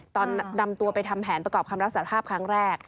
ตอนนำตัวไปทำแผนประกอบคำรับสารภาพครั้งแรก